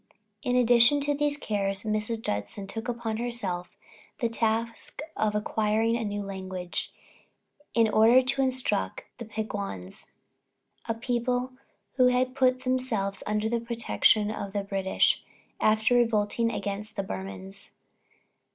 In addition to these cares, Mrs. Judson took upon herself the task of acquiring a new language, in order to instruct the Peguans, a people who had put themselves under the protection of the British, after revolting against the Burmans.